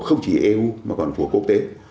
không chỉ eu mà còn phù hợp quốc tế